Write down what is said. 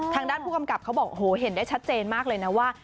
ทางด้านผู้กำกับเขาบอกโหเห็นได้ชัดเจนมากเลยนะว่า